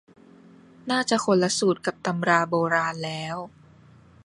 น่าจะคนละสูตรกับตำราโบราณแล้ว